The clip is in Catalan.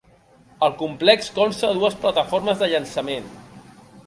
El complex consta de dues plataformes de llançament.